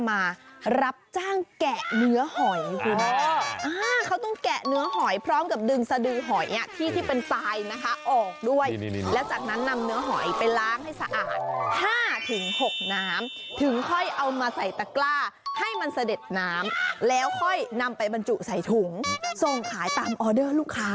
มารับจ้างแกะเนื้อหอยคุณเขาต้องแกะเนื้อหอยพร้อมกับดึงสะดือหอยที่ที่เป็นทรายนะคะออกด้วยแล้วจากนั้นนำเนื้อหอยไปล้างให้สะอาด๕๖น้ำถึงค่อยเอามาใส่ตะกล้าให้มันเสด็จน้ำแล้วค่อยนำไปบรรจุใส่ถุงส่งขายตามออเดอร์ลูกค้า